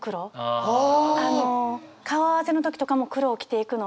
顔合わせの時とかも黒を着ていくのは。